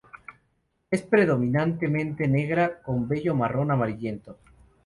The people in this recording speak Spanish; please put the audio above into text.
Es predominantemente negra con vello marrón amarillento.